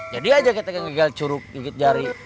jadi aja kita gagal curug gigit jari